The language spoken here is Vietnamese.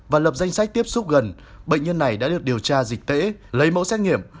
và lập danh sách tiếp xúc gần bệnh nhân này đã được điều tra dịch tễ lấy mẫu xét nghiệm